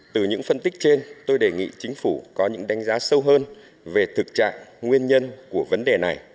từ những phân tích trên tôi đề nghị chính phủ có những đánh giá sâu hơn về thực trạng nguyên nhân của phát triển